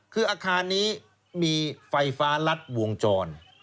คืออาคารนี้มีไฟฟ้ารัดวงจร